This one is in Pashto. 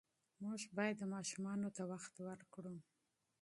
موږ باید ماشومانو ته وخت ورکړو.